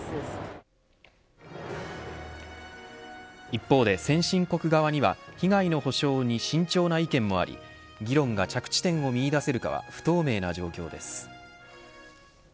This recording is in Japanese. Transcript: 一方で先進国側には被害の補償に慎重な意見もあり議論が着地点を見出せるかは不透明な状況です。